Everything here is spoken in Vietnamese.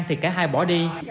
thì cả hai bỏ đi